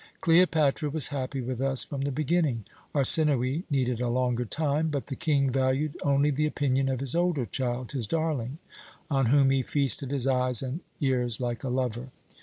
"Cleopatra was happy with us from the beginning; Arsinoë needed a longer time; but the King valued only the opinion of his older child, his darling, on whom he feasted his eyes and ears like a lover.